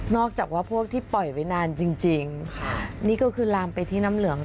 จากว่าพวกที่ปล่อยไว้นานจริงจริงค่ะนี่ก็คือลามไปที่น้ำเหลือง